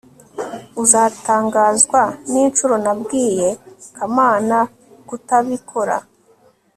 uzatangazwa ninshuro nabwiye kamana kutabikora